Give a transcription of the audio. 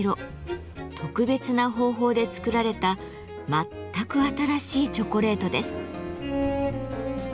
特別な方法で作られた全く新しいチョコレートです。